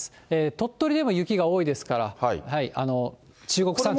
鳥取でも雪が多いですから、中国山地も。